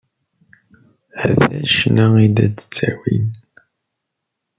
Ata ccna i la d-ttawin.